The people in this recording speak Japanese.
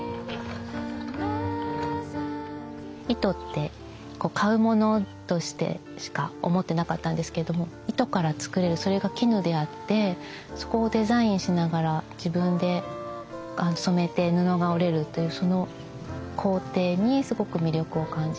糸って買うものとしてしか思ってなかったんですけれども糸から作れるそれが絹であってそこをデザインしながら自分で染めて布が織れるというその工程にすごく魅力を感じて。